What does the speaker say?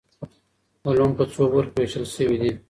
علوم په څو برخو ویشل سوي دي؟